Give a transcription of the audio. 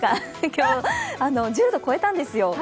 今日は１０度超えたんですよ。